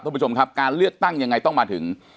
คุณผู้ชมครับการเลือกตั้งยังไงต้องมาถึง